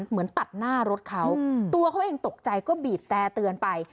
เหมือนตัดหน้ารถเขาตัวเขาเองตกใจก็บีบแต่เตือนไป